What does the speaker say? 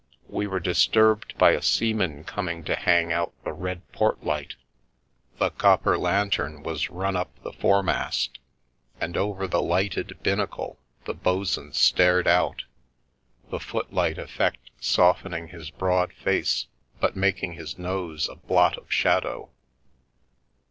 We were disturbed by a seaman coming to hang out the red port light; the copper lan tern was run up the foremast, and over the lighted bin nacle the bo'sun stared out, the footlight effect softening his broad face, but making his nose a blot of shadow.